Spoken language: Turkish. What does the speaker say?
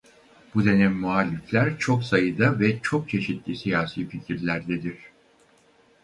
Bu dönem muhalifler çok sayıda ve çok çeşitli siyasi fikirlerdedir.